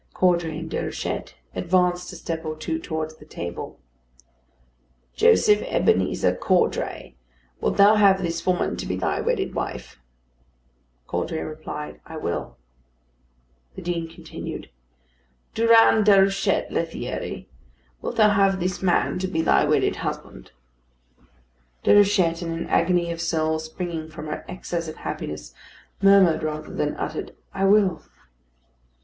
Caudray and Déruchette advanced a step or two towards the table. "Joseph Ebenezer Caudray, wilt thou have this woman to be thy wedded wife?" Caudray replied "I will." The Dean continued: "Durande Déruchette Lethierry, wilt thou have this man to be thy wedded husband?" Déruchette, in an agony of soul, springing from her excess of happiness, murmured rather than uttered "I will."